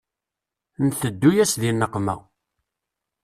Nteddu-yas di nneqma.